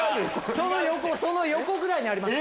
その横ぐらいにあります。